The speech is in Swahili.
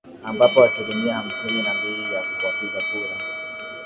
ambapo asilimia hamsini na mbili ya wapiga kura